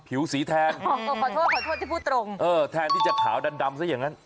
ผิวสีแทนขอโทษขอโทษที่พูดตรงเออแทนที่จะขาวดันดำซะอย่างนั้น